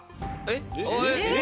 えっ。